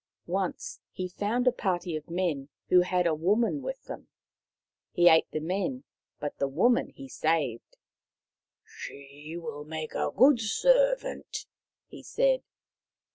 Once he found a party of men who had a woman with them. He ate the men, but the woman he saved. " She will make a good servant," he said.